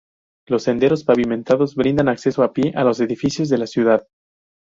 Los senderos pavimentados brindan acceso a pie a los edificios de la ciudad.